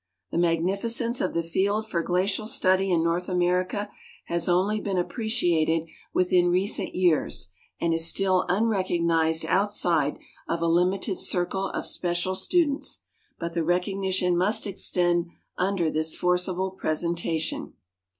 "The niatrni licence of the field for uiacial study in North America has oidy heen api)reciated within recent years, and is still nnrecou; ni/.ed outside of a limited circle of special students," but the recognition must extend under this forcible presentation.